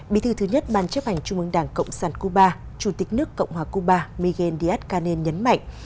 bí thư thứ nhất ban chấp hành trung ương đảng cộng sản cuba chủ tịch nước cộng hòa cuba miguel díaz canel nhấn mạnh